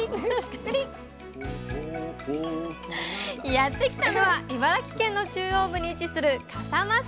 やってきたのは茨城県の中央部に位置する笠間市。